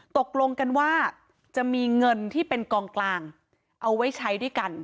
ตกลงกันว่าจะมีเงินที่เป็นกองกลางเอาไว้ใช้ด้วยกัน